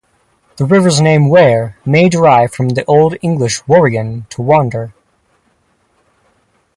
The river's name, "Were" may derive from the Old English "worian" to wander.